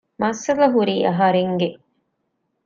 މައްސަލަ ހުރީ އަހަރެންގެ